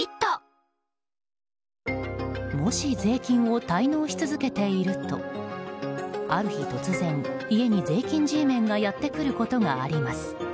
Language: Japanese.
もし税金を滞納続けているとある日、突然家に税金Ｇメンがやってくることがあります。